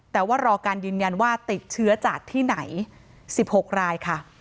แต่ว่ารอการยืนยันว่าติดเชื้อจากที่ไหน๑๖รายค่ะ